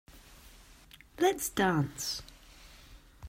Let's dance.